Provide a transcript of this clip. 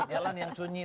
jalan yang sunyi